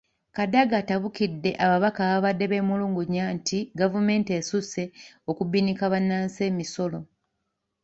Kadaga atabukidde ababaka ababadde beemulugunya nti gavumenti esusse okubinika bannansi emisolo.